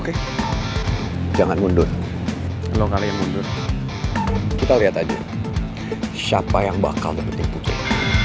ini urusnyaoubl yang gak mungkin kulit